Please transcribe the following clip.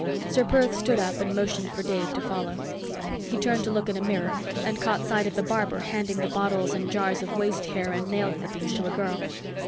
Ser Perth stood up and motioned for Dave to follow. He turned to look in a mirror, and caught sight of the barber handing the bottles and jars of waste hair and nail clippings to a girl.